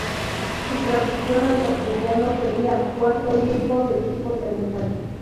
Su traducción al castellano sería: Puerto único de tipo terminal.